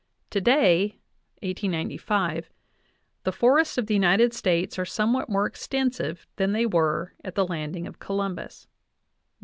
Today the forests of the United States are somewhat more extensive than they were at the landing of Columbus" (Nat.